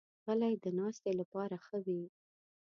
غلۍ د ناستې لپاره ښه وي.